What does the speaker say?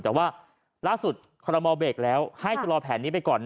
แต่ว่าล่าสุดคอรมอลเบรกแล้วให้ชะลอแผนนี้ไปก่อน